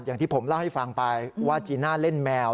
อย่างที่ผมเล่าให้ฟังไปว่าจีน่าเล่นแมว